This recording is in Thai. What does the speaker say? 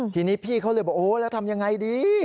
ทีนี้พี่เขาเลยบอกโอ้แล้วทำยังไงดี